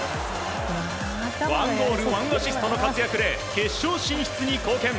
１ゴール１アシストの活躍で決勝進出に貢献。